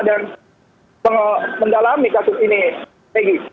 dan mendalami kasus ini megi